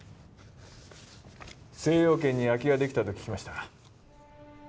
精養軒に空きができたと聞きました